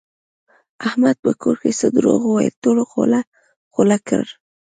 احمد په کور کې څه دروغ وویل ټولو خوله خوله کړ.